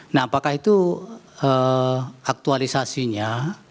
nah apakah itu aktualisasinya